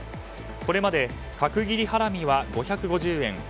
これまで角切りハラミは５５０円